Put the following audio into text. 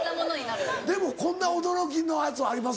でも「こんな驚きのやつはあります」